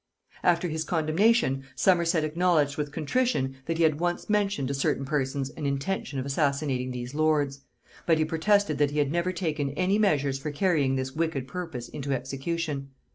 After his condemnation, Somerset acknowledged with contrition that he had once mentioned to certain persons an intention of assassinating these lords; but he protested that he had never taken any measures for carrying this wicked purpose into execution.